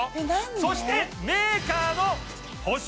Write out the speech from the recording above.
そしてメーカーの保証